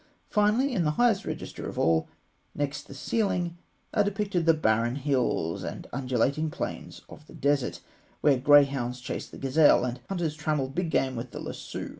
Finally, in the highest register of all, next the ceiling, are depicted the barren hills and undulating plains of the desert, where greyhounds chase the gazelle, and hunters trammel big game with the lasso.